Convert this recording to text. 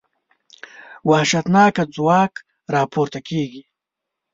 وحشتناکه ځواک راپورته کېږي.